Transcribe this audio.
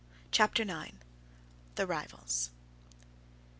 CHAPTER IX. The Rivals.